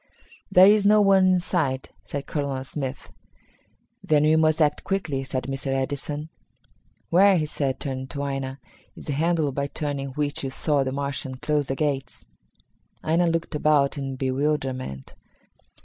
"There is no one in sight," said Colonel Smith. "Then we must act quickly," said Mr. Edison. "Where," he said, turning to Aina, "is the handle by turning which you saw the Martian close the gates?" Aina looked about in bewilderment.